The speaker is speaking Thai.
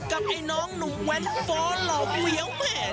กับไอ้น้องหนุ่มแหวนฟ้อนเหล่าเบวแม่